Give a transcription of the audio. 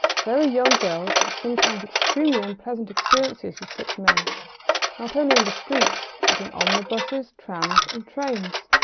Very young girls have sometimes extremely unpleasant experiences with such men, not only in the streets but in omnibuses, trams, and trains.